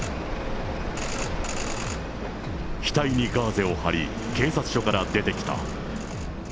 額にガーゼを貼り、警察署から出てきた。